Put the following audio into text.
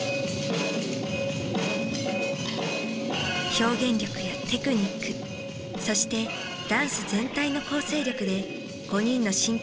表現力やテクニックそしてダンス全体の構成力で５人の審判が勝敗を決めます。